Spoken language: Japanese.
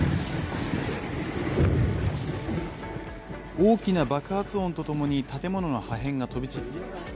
大きな爆発音とともに建物の破片が飛び散っています。